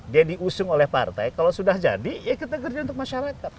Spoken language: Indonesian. dia diusung oleh partai kalau sudah jadi ya kita kerja untuk masyarakat